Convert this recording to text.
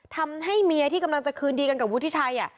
ทำให้เมียที่กำลังจะคืนดีกันกับวุฒิชัย